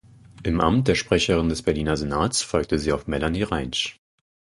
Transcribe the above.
Im Amt der Sprecherin des Berliner Senats folgte sie auf Melanie Reinsch.